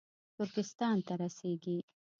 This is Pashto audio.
ترکستان ته رسېږي